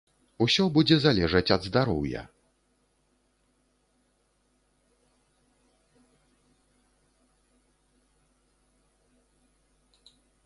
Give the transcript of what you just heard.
Усё будзе залежаць ад здароўя.